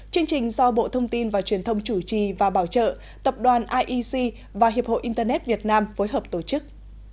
chương trình do bộ thông tin và truyền thông chủ trì và bảo trợ tập đoàn iec và hiệp hội internet việt nam phối hợp tổ chức